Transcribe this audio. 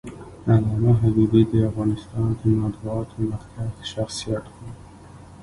علامه حبيبي د افغانستان د مطبوعاتو مخکښ شخصیت و.